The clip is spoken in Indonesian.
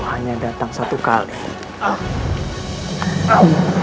hanya datang satu kali